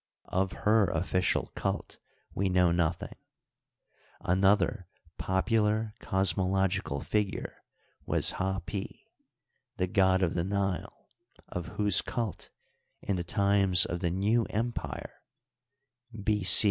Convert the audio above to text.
Of her official cult we know noth ing. Another popular cosmological figure was Hdpi, the fod of the Nile, of whose cult in the times of the New Impire (B.C.